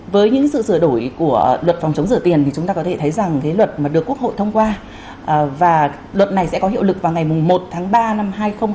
với những sự sửa đổi của luật phòng chống rửa tiền thì chúng ta có thể thấy rằng cái luật mà được quốc hội thông qua và luật này sẽ có hiệu lực vào ngày một tháng ba năm hai nghìn hai mươi